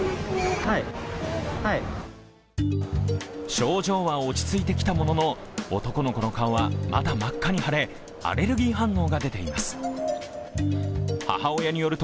症状は落ち着いてきたものの男の子の顔はまだ真っ赤に腫れアレルギー反応が出ています。